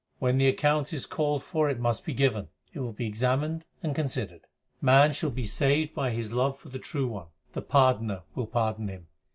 When the account is called for it must be given ; it will be i examined and considered. Man shall be saved by his love for the True One ; the Pardoner will pardon him.